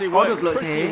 có được lợi thế